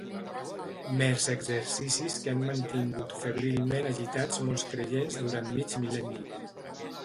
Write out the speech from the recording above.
Mers exercicis que han mantingut febrilment agitats molts creients durant mig mil·lenni.